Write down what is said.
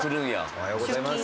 おはようございます。